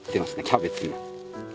キャベツが。